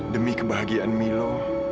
demi kebahagiaan milo